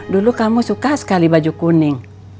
dulu kamu suka sekali baju kuning